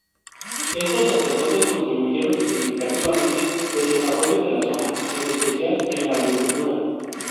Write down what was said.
Estos sacerdotes contribuyeron significativamente el desarrollo de la zona, en especial en la agricultura.